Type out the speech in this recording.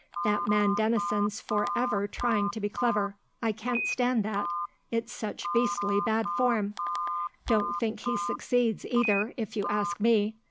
"That man Denison's for ever trying to be clever. I can't stand that; it's such beastly bad form. Don't think he succeeds, either, if you ask me.